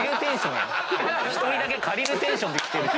１人だけ借りるテンションで来てる。